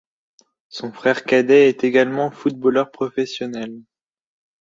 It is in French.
Son frère cadet est également footballeur professionnel.